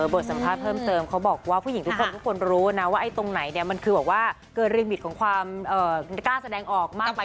บทสภาพเพิ่มเติมข้อบอกว่าผู้หญิงทุกคนรู้นะว่าไอ้ตรงไหนมันคือเบื่อเร็งบิดการแก้แก้แสดงออกหรือเปล่า